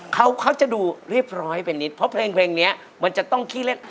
เขาเขาจะดูเรียบร้อยไปนิดเพราะเพลงเนี้ยมันจะต้องขี้เล่น